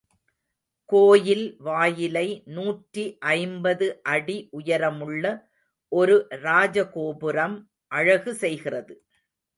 கோயில் வாயிலை நூற்றி ஐம்பது அடி உயரமுள்ள ஒரு ராஜகோபுரம் அழகு செய்கிறது.